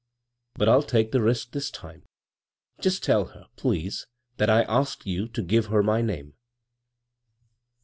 " But I'll take the risk this time. Just tell her, please, that I asked you to give her my name.